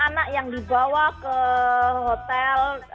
anak yang dibawa ke hotel